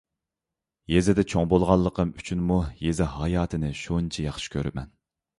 يېزىدا چوڭ بولغانلىقىم ئۈچۈنمۇ يېزا ھاياتىنى شۇنچە ياخشى كۆرىمەن.